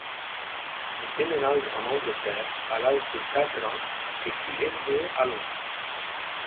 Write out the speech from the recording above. Il déménage en Angleterre à l’âge de quatre ans et fut élevé à Londres.